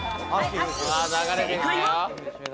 正解は。